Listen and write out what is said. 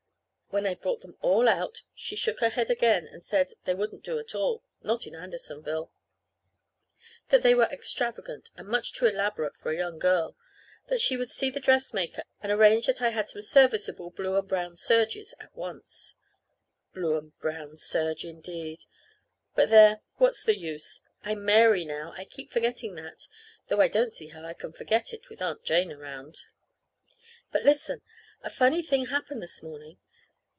When I'd brought them all out, she shook her head again and said they would not do at all not in Andersonville; that they were extravagant, and much too elaborate for a young girl; that she would see the dressmaker and arrange that I had some serviceable blue and brown serges at once. Blue and brown serge, indeed! But, there, what's the use? I'm Mary now, I keep forgetting that; though I don't see how I can forget it with Aunt Jane around. But, listen. A funny thing happened this morning.